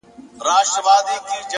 عاجزي د انسان ارزښت لوړوي.!